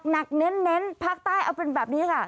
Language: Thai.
เน้นภาคใต้เอาเป็นแบบนี้ค่ะ